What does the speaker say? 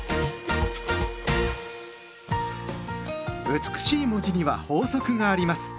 美しい文字には法則があります。